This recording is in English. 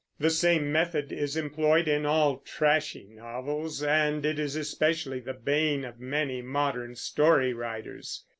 The same method is employed in all trashy novels and it is especially the bane of many modern story writers.